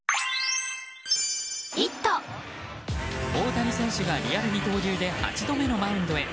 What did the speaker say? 大谷選手がリアル二刀流で８度目のマウンドへ。